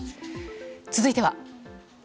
続いては。